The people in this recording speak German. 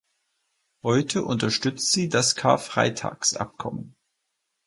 Heute unterstützt sie das Karfreitagsabkommen.